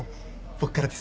僕からです。